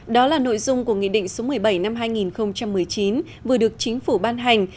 đó là nội dung của nghị định số một mươi bảy năm hai nghìn một mươi chín vừa được chính phủ ban hành